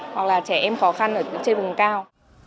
hoặc là trẻ em khó khăn ở trên vùng cao